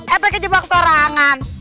eh pakai jebak sorangan